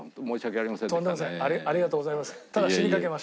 ありがとうございます。